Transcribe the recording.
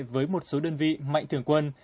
với một số đơn vị mạnh thường quân